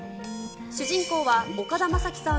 主人公は、岡田将生さん